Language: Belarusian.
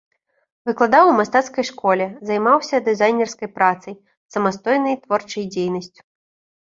Выкладаў у мастацкай школе, займаўся дызайнерскай працай, самастойнай творчай дзейнасцю.